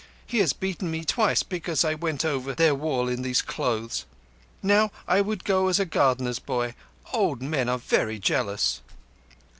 He has beaten me twice because I went over their wall in these clothes. Now I would go as a gardener's boy. Old men are very jealous."